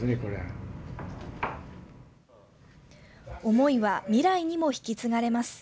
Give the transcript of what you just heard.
思いは未来にも引き継がれます。